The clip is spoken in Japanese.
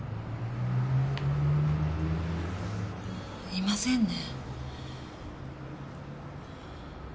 いませんね。